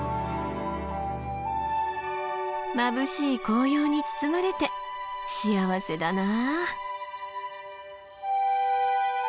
まぶしい紅葉に包まれて幸せだなあ。